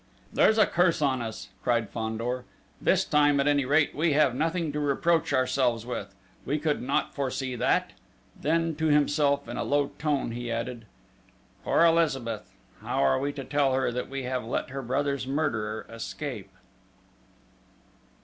"There's a curse on us!" cried Fandor. "This time, at any rate, we have nothing to reproach ourselves with! We could not foresee that!..." Then, to himself in a low tone, he added: "Poor Elizabeth!... How are we to tell her that we have let her brother's murderer escape?"